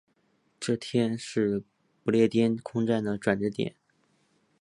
这天是不列颠空战的转折点。